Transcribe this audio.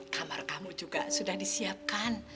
kamar kamu juga sudah disiapkan